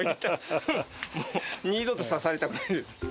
もう二度と刺されたくない。